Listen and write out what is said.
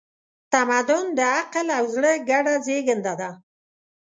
تمدن د عقل او زړه ګډه زېږنده ده.